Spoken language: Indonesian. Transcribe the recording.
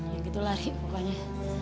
ya gitu lah ri pokoknya